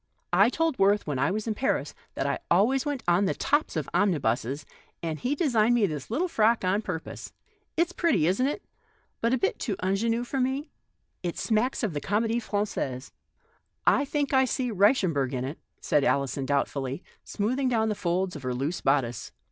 I told Worth when I was in Paris that I always went on the tops of omnibuses, and he designed me this little frock on pur pose. It's pretty, isn't it, but a little too mgenue for me ? It smacks of the Com6die Frangaise. I think I see Reichemberg in it," said Alison, doubtfully smoothing down the folds of her loose bodice.